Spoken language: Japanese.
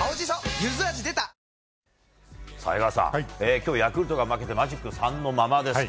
今日ヤクルトが負けてマジック３のままですか。